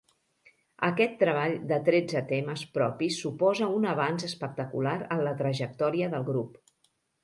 Aquest treball de tretze temes propis suposa un avanç espectacular en la trajectòria del grup.